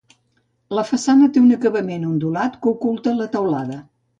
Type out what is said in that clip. La façana té un acabament ondulat que oculta la teulada.